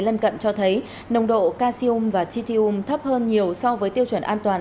lân cận cho thấy nồng độ calcium và titanium thấp hơn nhiều so với tiêu chuẩn an toàn